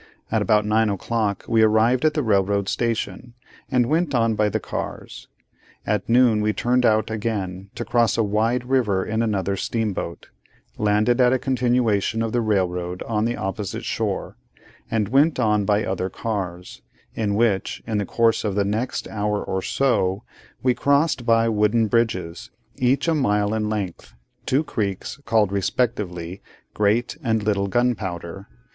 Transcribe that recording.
At about nine o'clock we arrived at the railroad station, and went on by the cars. At noon we turned out again, to cross a wide river in another steamboat; landed at a continuation of the railroad on the opposite shore; and went on by other cars; in which, in the course of the next hour or so, we crossed by wooden bridges, each a mile in length, two creeks, called respectively Great and Little Gunpowder.